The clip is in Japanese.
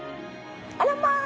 あらま！